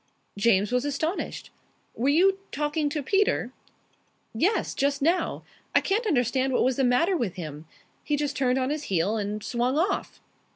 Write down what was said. James was astonished. "Were you talking to Peter?" "Yes. Just now. I can't understand what was the matter with him. He just turned on his heel and swung off."